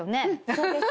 そうです。